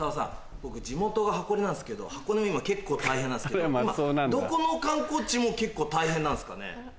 僕地元が箱根なんですけど箱根も今結構大変なんですけど今どこの観光地も結構大変なんすかね？